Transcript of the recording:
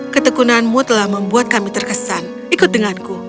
ketekunanmu telah membuat kami terkesan ikut denganku